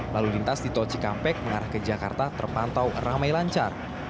lalu lintas di tol cikampek mengarah ke jakarta terpantau ramai lancar